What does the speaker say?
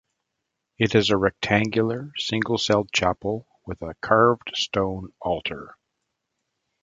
It is a rectangular single-cell chapel with a carved stone altar.